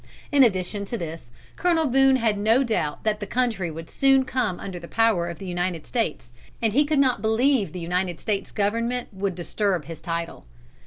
In addition to this, Colonel Boone had no doubt that the country would soon come under the power of the United States, and he could not believe the United States Government would disturb his title.